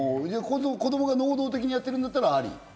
子供が能動的にやってるんだったらあり。